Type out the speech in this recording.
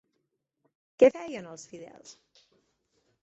Què feien els fidels?